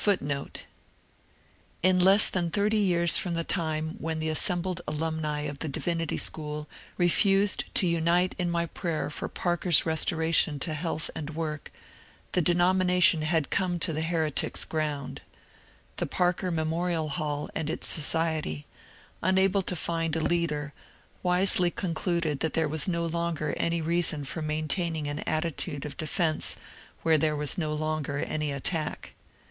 I de scribed the action of John Brown as ^^ worse than a crime, —^ In less than thirty years from the time when the assemhled alunmi of the Divinity School refused to anite in my prayer for Parker's restora tion to health and work, the denomination had oome to the heretics' ground. The Parker Memorial Hall and its society, unahle to find a leader, wisely concluded that there was no longer any reason for main taining an attitude of defence where there was no longer any attack.